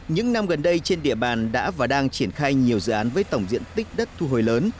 những năm gần đây trên địa bàn đã và đang triển khai nhiều dự án với tổng diện tích đất thu hồi lớn